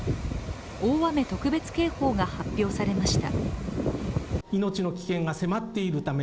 大雨特別警報が発表されました。